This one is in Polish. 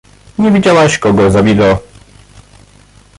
"Nie widziałeś, kogo zabito."